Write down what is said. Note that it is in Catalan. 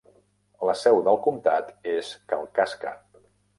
La seu del comtat és Kalkaska.